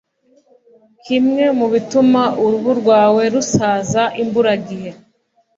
Kimwe mu bituma uruhu rwawe rusaza imburagihe